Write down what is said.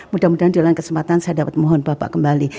mudah mudahan dalam kesempatan saya dapat mohon bapak kembali